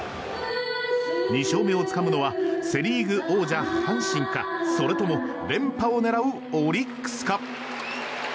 ２勝目をつかむのはセ・リーグ王者、阪神かそれとも連覇を狙うオリックスか。